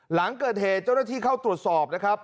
หลังเกิดเหตุเจ้าหน้าที่เข้าตรวจสอบนะครับ